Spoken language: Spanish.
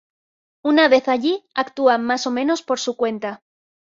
Una vez allí, actúan más o menos por su cuenta.